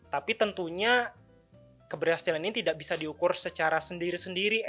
tapi tentunya keberhasilan ini tidak bisa diukur secara sendiri sendiri